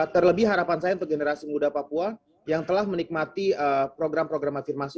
terlebih harapan saya untuk generasi muda papua yang telah menikmati program program afirmasi